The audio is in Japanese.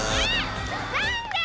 なんで！